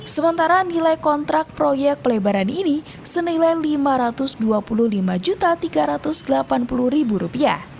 sementara nilai kontrak proyek pelebaran ini senilai rp lima ratus dua puluh lima tiga ratus delapan puluh